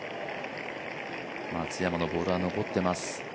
松山のボールは残っています。